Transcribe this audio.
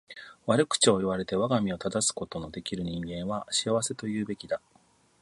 悪口を言われて我が身を正すことの出来る人間は幸せと言うべきだ。